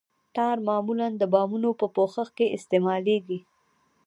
ټار معمولاً د بامونو په پوښښ کې استعمالیږي